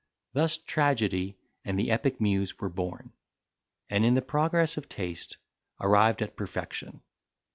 Thus tragedy and the epic muse were born, and, in the progress of taste, arrived at perfection.